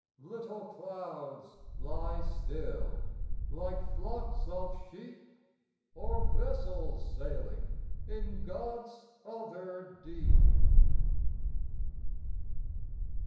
Little clouds lie still, like flocks of sheep, Or vessels sailing in God's other deep.